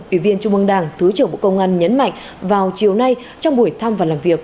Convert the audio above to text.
ủy viên trung ương đảng thứ trưởng bộ công an nhấn mạnh vào chiều nay trong buổi thăm và làm việc